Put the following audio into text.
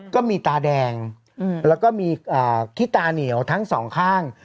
ก็มีตาแดงแล้วก็มีที่ตาเหนียวทั้งสองข้าง